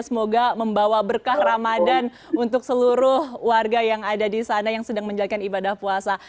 semoga membawa berkah ramadan untuk seluruh warga yang ada di sana yang sedang menjalankan ibadah puasa